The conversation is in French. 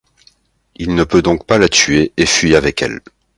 Il ne peut donc pas la tuer et fuit avec elle.